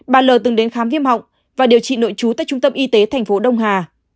bà l từng đến khám viêm họng và điều trị nội trú tại trung tâm y tế thành phố đông hà